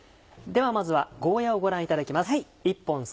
ではまずはゴーヤをご覧いただきます。